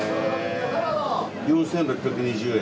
４，６２０円？